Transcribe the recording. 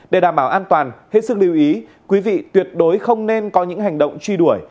để đảm bảo an toàn hết sức lưu ý quý vị tuyệt đối không nên có những hành động truy đuổi